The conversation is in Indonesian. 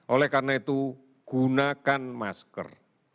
oleh karena itu gunakan masker